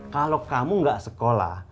kalau kamu gak sekolah